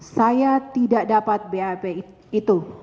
saya tidak dapat bap itu